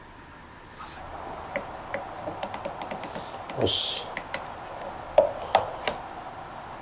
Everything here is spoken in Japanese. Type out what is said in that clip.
よし。